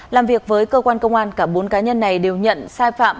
làm việc với cơ quan công an cả bốn cá nhân này đều nhận sai phạm